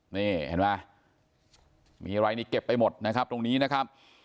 นี่เห็นไหมมีอะไรนี่เก็บไปหมดนะครับตรงนี้นะครับ